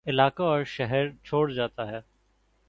علاقہ اور شہرچھوڑ جاتا ہے